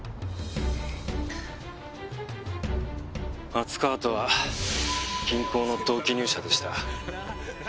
松川とは銀行の同期入社でした。